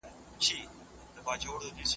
امبولانسونه څنګه ناروغان لیږدوي؟